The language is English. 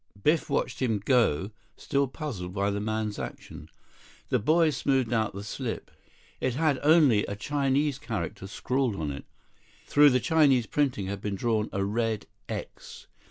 Biff watched him go, still puzzled by the man's action. The boy smoothed out the slip. It had only a Chinese character scrawled on it. Through the Chinese printing had been drawn a red "X."